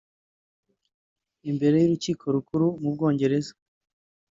Imbere y’urukiko rukuru mu Bwongereza